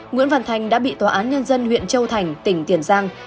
nguyễn văn thành đã bị tòa án nhân dân huyện châu thành tỉnh tiền giang